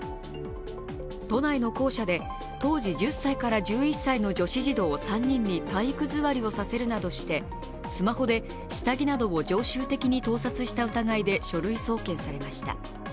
都内の校舎で当時１０歳から１１歳の女子児童３人に体育座りをさせるなどしてスマホで下着などを常習的に盗撮した疑いで書類送検されました。